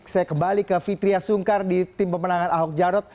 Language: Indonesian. saya kembali ke fitriah sungkar di tim pemenangan ahok jarot